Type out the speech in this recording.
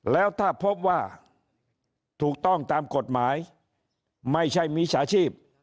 แล้วถ้าพบว่าถูกต้องตามกฎหมายไม่ใช่มิจฉาชีพ